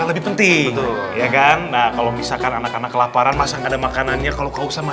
lebih penting itu ya kan nah kalau misalkan anak anak kelaparan masang ada makanannya kalau kau sama